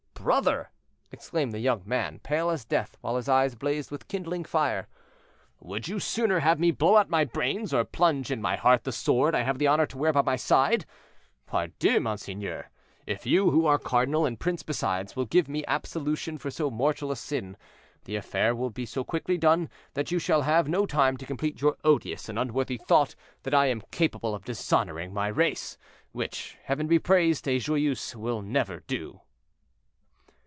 "Brother!" exclaimed the young man, pale as death, while his eyes blazed with kindling fire, "would you sooner have me blow out my brains, or plunge in my heart the sword I have the honor to wear by my side? Pardieu, monseigneur, if you, who are cardinal and prince besides, will give me absolution for so mortal a sin, the affair will be so quickly done that you shall have no time to complete your odious and unworthy thought that I am capable of dishonoring my race, which, Heaven be praised, a Joyeuse will never do."